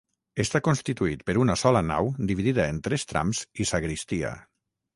Està constituït per una sola nau dividida en tres trams i sagristia.